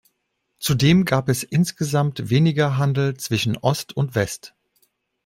Zudem gab es insgesamt weniger Handel zwischen Ost und West.